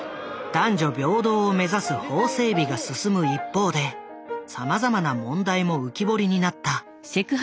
男女平等を目指す法整備が進む一方でさまざまな問題も浮き彫りになった。